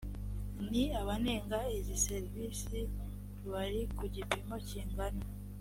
ni abanenga izi serivisi bari ku gipimo kingana